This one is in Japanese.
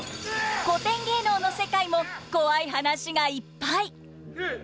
古典芸能の世界もコワい話がいっぱい。